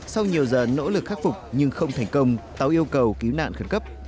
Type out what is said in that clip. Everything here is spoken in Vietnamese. sau nhiều giờ nỗ lực khắc phục nhưng không thành công tàu yêu cầu cứu nạn khẩn cấp